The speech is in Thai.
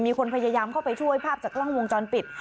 มีคนพยายามเข้าไปช่วยภาพจากกล้องวงจรปิด